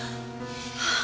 ああ。